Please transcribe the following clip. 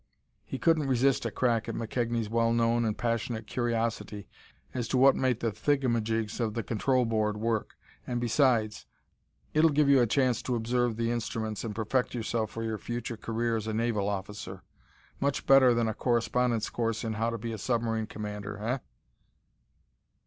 He couldn't resist a crack at McKegnie's well known and passionate curiosity as to what made the thigmajigs of the control board work: "And besides, it'll give you a chance to observe the instruments and perfect yourself for your future career as a naval officer. Much better than a correspondence course in 'How to Be a Submarine Commander,' eh?"